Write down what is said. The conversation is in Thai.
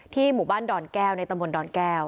หมู่บ้านดอนแก้วในตำบลดอนแก้ว